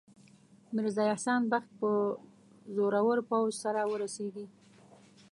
میرزا احسان بخت به زورور پوځ سره ورسیږي.